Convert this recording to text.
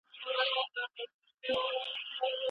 ځینې متخصصان وايي، رنګ "د تفسیر وړ" دی.